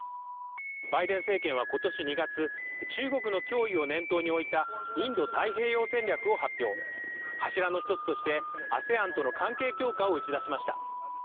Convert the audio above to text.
バイデン政権はことし２月中国の脅威を念頭に置いたインド太平洋戦略を発表柱の一つとしてＡＳＥＡＮとの関係強化を打ち出しました